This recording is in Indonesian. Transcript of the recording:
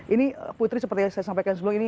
ini putri seperti yang saya sampaikan sebelum ini